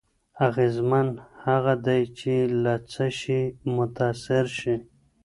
اغېزمن هغه دی چې له څه شي متأثر شي.